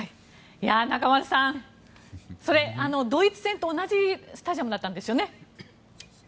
中丸さん、ドイツ戦と同じスタジアムだったんですよね。